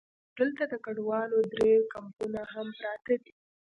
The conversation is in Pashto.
دلته د کډوالو درې کمپونه هم پراته دي.